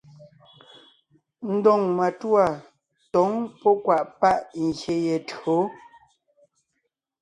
Ndóŋ matûa tǒŋ pɔ́ kwàʼ páʼ ngyè ye tÿǒ.